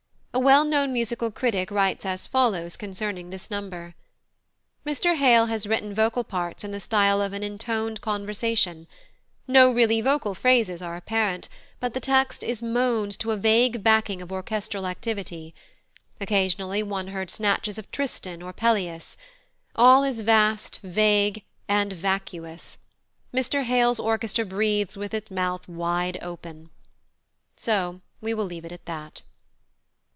A well known musical critic writes as follows concerning this number: "Mr Hale has written vocal parts in the style of an intoned conversation; no really vocal phrases are apparent, but the text is moaned to a vague backing of orchestral activity. Occasionally one heard snatches of Tristan or Pelléas. All is vast, vague, and vacuous. Mr Hale's orchestra breathes with its mouth wide open." So we will leave it at that.